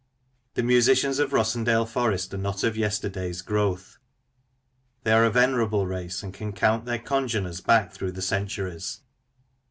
The musicians of Rossendale Forest are not of yesterday's growth; they are a venerable race, and can count their congeners back through the centuries.